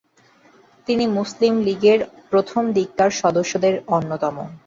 তিনি মুসলিম লীগের প্রথমদিককার সদস্যদের অন্যতম।